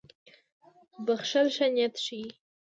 • بښل ښه نیت ښيي.